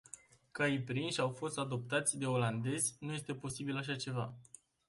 Caii prinși, au fost adoptați de olandezi, nu este posibil așa ceva.